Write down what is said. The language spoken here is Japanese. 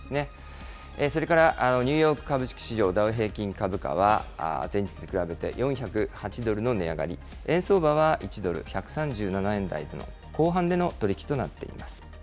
それからニューヨーク株式市場、ダウ平均株価は、前日と比べて４０８ドルの値上がり、円相場は１ドル１３７円台後半での取り引きとなっています。